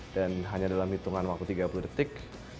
dan hanya dalam hitungan waktu tiga puluh detik